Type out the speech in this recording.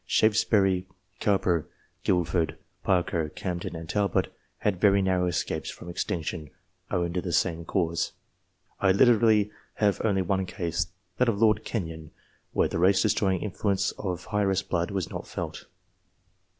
Shaftesbury, Cowper, Guilford, Parker, Camden, and Talbot, had very narrow escapes from ex tinction, owing to the same cause. I literally have only one case, that of Lord Kenyon, where the race destroying influence of heiress blood was not felt.